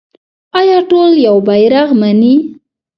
آیا ټول یو بیرغ مني؟